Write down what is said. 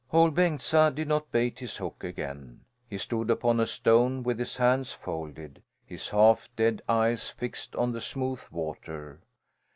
Ol' Bengtsa did not bait his hook again. He stood upon a stone, with his hands folded his half dead eyes fixed on the smooth water.